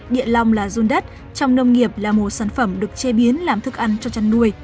địa long là run đất trong nông nghiệp là một sản phẩm được chế biến làm thức ăn cho chăn nuôi